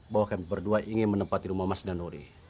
bahwa kami berdua ingin menempati rumah mas danuri